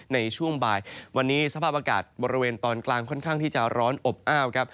ในช่วงบ่ายวันนี้สภาพอากาศบริเวณตอนกลางค่อนข้างที่จะร้อนอบอ้าวครับ